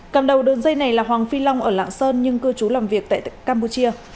cầm đầu đường dây này là hoàng phi long ở lạng sơn nhưng cư trú làm việc tại campuchia